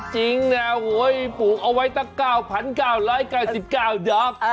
จริงน่ะโอ๊ยปลูกเอาไว้เท่า๙๙๙๙ดอก